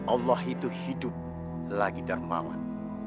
allah itu hidup lagi darmawan